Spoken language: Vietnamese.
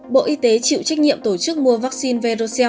bộ y tế chịu trách nhiệm tổ chức mua vaccine verdocel